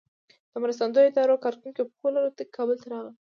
د مرستندویه ادارو کارکوونکي په خپلو الوتکو کې کابل ته راغلل.